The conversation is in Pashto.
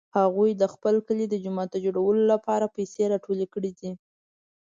هغوی د خپل کلي د جومات د جوړولو لپاره پیسې راټولې کړې دي